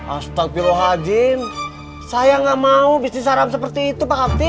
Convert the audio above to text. astagfirullahaladzim saya gak mau bisnis haram seperti itu pak kamtip